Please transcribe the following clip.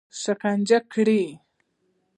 شکنجه کړي.